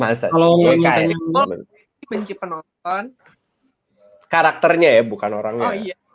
atau sama kalian masa masa sih kalau mencoba benci penonton karakternya ya bukan orangnya